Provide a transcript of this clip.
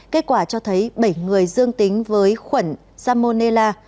kết quả cho thấy bảy người dương tính với khuẩn salmonella